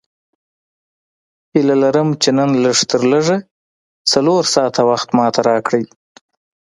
هیله لرم چې نن لږ تر لږه څلور ساعته وخت ماته راکړې.